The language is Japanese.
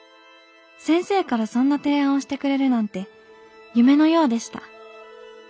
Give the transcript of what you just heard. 先生からそんな提案をしてくれるなんて夢のようでした。